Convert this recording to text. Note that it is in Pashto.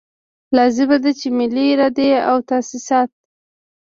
لازمه ده چې ملي ادارې او تاسیسات.